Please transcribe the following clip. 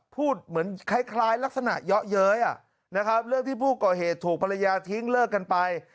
พูดเหมือนคล้ายลักษณะเยาะเย้ยนะครับเรื่องที่ผู้ก่อเหตุถูกภรรยาทิ้งเลิกกันไป